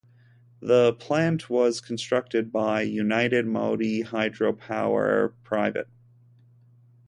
The plant was constructed by United Modi Hydropower Pvt.